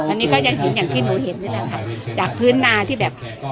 ตอนนี้ก็ยังทิ้งอย่างที่หนูเห็นกันเลยค่ะจากพื้นหนาที่แบบ